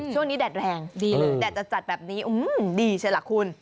ช่วงนี้แดดแรงแดดจัดแบบนี้ดีใช่หรือครับคุณ